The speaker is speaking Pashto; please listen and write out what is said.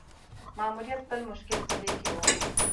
ماموریت بل مشکل په دې کې وو.